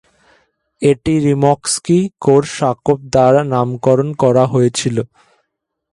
এটি রিমস্কি-কোরসাকভ দ্বারা নামকরণ করা হয়েছিল।